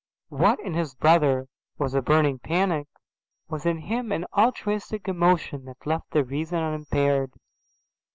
What in his brother was a burning panic was in him an altruistic emotion that left the reason unimpaired.